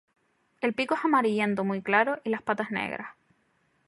El pico es amarillento muy claro y las patas negras.